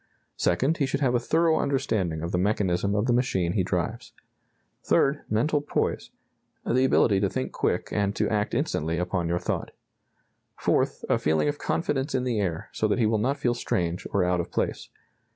Second, he should have a thorough understanding of the mechanism of the machine he drives. Third, mental poise the ability to think quick and to act instantly upon your thought. Fourth, a feeling of confidence in the air, so that he will not feel strange or out of place.